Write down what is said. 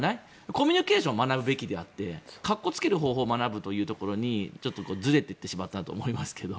コミュニケーションを学ぶべきであってかっこつける方法を学ぶというところにずれていってしまったと思いますけど。